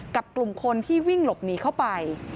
กับกลุ่มคนที่วิ่งหลบหนีเข้าไป